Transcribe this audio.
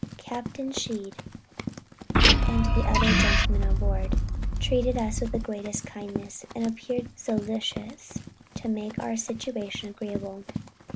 Capt. Sheed, and the other gentlemen on board, treated us with the greatest kindness, and appeared solicitous to make our situation agreeable.